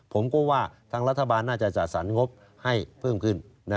ผมก็ว่าทางรัฐบาลน่าจะจัดสรรงบให้เพิ่มขึ้น